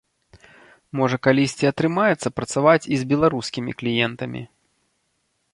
Можа калісьці атрымаецца працаваць і з беларускімі кліентамі.